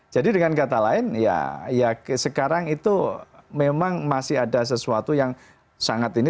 dengan kata lain ya sekarang itu memang masih ada sesuatu yang sangat ini